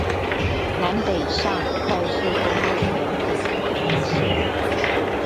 南北向快速公路五股土城線